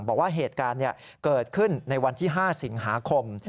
บอกว่าเหตุการณ์เกิดขึ้นในวันที่๕สิงหาคม